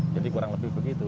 jadi kurang lebih begitu